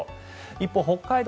一方、北海道